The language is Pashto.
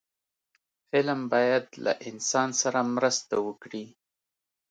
فلم باید له انسان سره مرسته وکړي